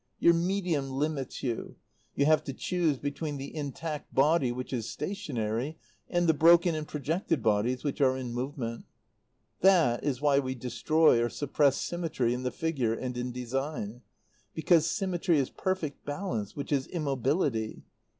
"Your medium limits you. You have to choose between the intact body which is stationary and the broken and projected bodies which are in movement. That is why we destroy or suppress symmetry in the figure and in design. Because symmetry is perfect balance which is immobility.